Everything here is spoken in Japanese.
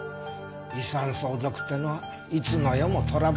遺産相続っていうのはいつの世もトラブルのもと。